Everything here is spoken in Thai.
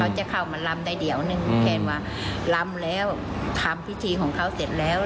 จะเข้ามาลำได้เดี๋ยวหนึ่งแค่ว่าลำแล้วทำพิธีของเขาเสร็จแล้ว